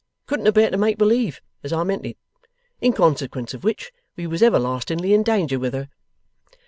Couldn't abear to make believe as I meant it! In consequence of which, we was everlastingly in danger with her.